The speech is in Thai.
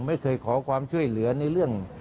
ไม่เคยขอความช่วยเหลือในเรื่อง